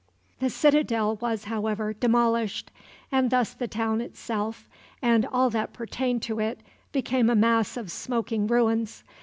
The citadel was, however, demolished, and thus the town itself, and all that pertained to it, became a mass of smoking ruins.